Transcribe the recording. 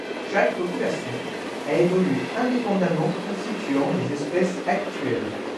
Chaque population a évolué indépendamment constituant les espèces actuelles.